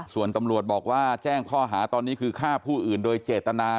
ส่วนตำรวจบอกว่าแจ้งข้อหาตอนนี้คือฆ่าผู้อื่นโดยเจตนา